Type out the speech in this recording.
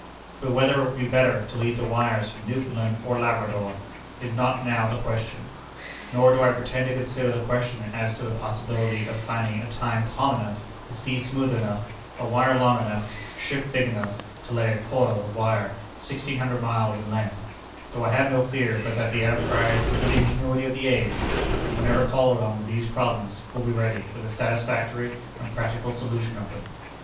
But whether it would be better to lead the wires from Newfoundland or Labrador is not now the question; nor do I pretend to consider the question as to the possibility of finding a time calm enough, the sea smooth enough, a wire long enough, a ship big enough, to lay a coil of wire sixteen hundred miles in length: though I have no fear but that the enterprise and ingenuity of the age, whenever called on with these problems, will be ready with a satisfactory and practical solution of them.